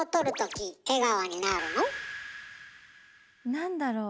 何だろう。